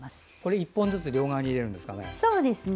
１本ずつ両側に入れるんですね。